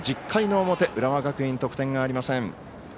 １０回の表、浦和学院得点がありません。